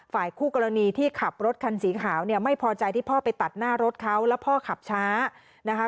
ฝ่ายคู่กรณีที่ขับรถคันสีขาวเนี่ยไม่พอใจที่พ่อไปตัดหน้ารถเขาแล้วพ่อขับช้านะคะ